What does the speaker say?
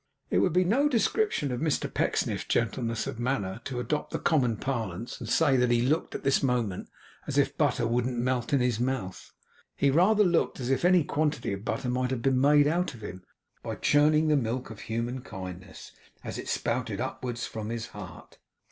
It would be no description of Mr Pecksniff's gentleness of manner to adopt the common parlance, and say that he looked at this moment as if butter wouldn't melt in his mouth. He rather looked as if any quantity of butter might have been made out of him, by churning the milk of human kindness, as it spouted upwards from his heart.